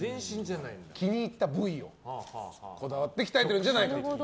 気に入った部位をこだわって鍛えてるんじゃないかと。